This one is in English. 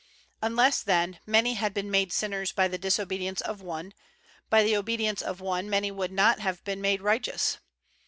Unless, then, many had been made sinners by the disobedience of one, by the obedience of one many would not have been made righteous.